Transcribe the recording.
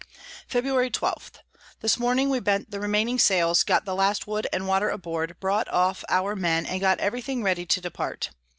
Febr. 12. This Morning we bent the remaining Sails, got the last Wood and Water aboard, brought off our Men, and got every thing ready to depart.